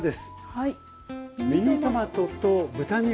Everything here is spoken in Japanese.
はい。